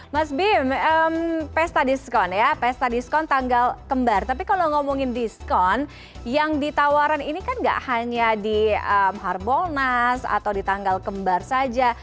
mas bim pesta diskon ya pesta diskon tanggal kembar tapi kalau ngomongin diskon yang ditawarkan ini kan gak hanya di harbolnas atau di tanggal kembar saja